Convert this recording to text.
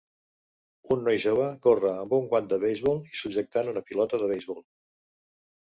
Un noi jove corre amb un guant de beisbol i subjectant una pilota de beisbol.